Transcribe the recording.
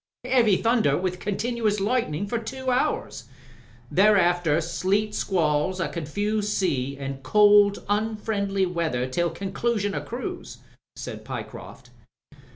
"Heavy thunder with continuous lightning for two hours. Thereafter sleet squalls, a confused sea, and cold, unfriendly weather till conclusion o' cruise," said Pyecroft.